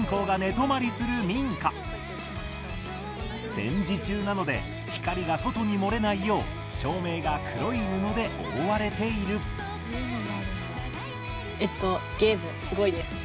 戦時中なので光が外に漏れないよう照明が黒い布で覆われているゲームすごいですね。